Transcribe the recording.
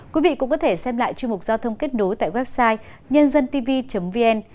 quý vị cũng có thể xem lại chương mục giao thông kết nối tại website nhândantv vn